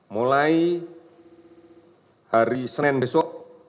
mulai hari senin besok